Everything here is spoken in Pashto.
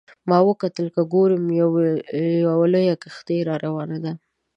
ما وکتل که ګورم چې یوه لویه کښتۍ را روانه ده.